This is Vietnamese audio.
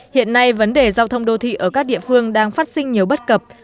hiện nay vấn đề giao thông đô thị ở các địa phương đang phát sinh nhiều bất cập